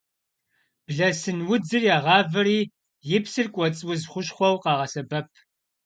Блэсын удзыр ягъавэри и псыр кӏуэцӏ уз хущхъуэу къагъэсэбэп.